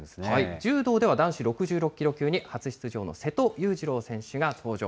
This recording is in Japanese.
柔道では男子６６キロ級に初出場の瀬戸勇次郎選手が登場。